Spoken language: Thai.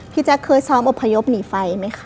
แจ๊คเคยซ้อมอบพยพหนีไฟไหมคะ